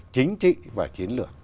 chính trị và chiến lược